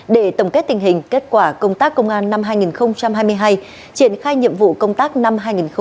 để tổng kết tình hình kết quả công tác công an năm hai nghìn hai mươi hai triển khai nhiệm vụ công tác năm hai nghìn hai mươi bốn